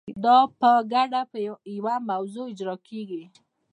دا په ګډه په یوه موضوع اجرا کیږي.